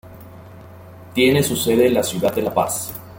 Tiene su sede en la ciudad de La Paz.